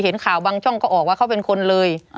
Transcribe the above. เห็นข่าวบางช่องก็ออกว่าเขาเป็นคนเลย